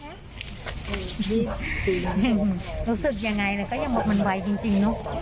รู้สึกยังไงเลยก็ยังบอกว่ามันไหวจริงเนาะ